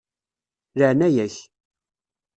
Laɛnaya-k.